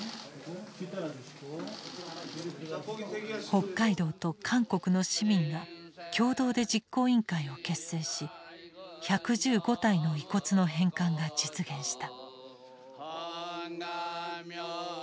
北海道と韓国の市民が共同で実行委員会を結成し１１５体の遺骨の返還が実現した。